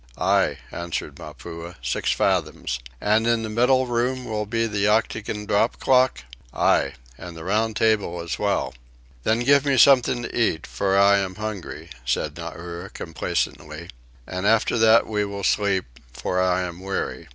"Ay," answered Mapuhi, "six fathoms." "And in the middle room will be the octagon drop clock?" "Ay, and the round table as well." "Then give me something to eat, for I am hungry," said Nauri, complacently. "And after that we will sleep, for I am weary.